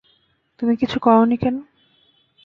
তুমি কিছু করোনি কেন?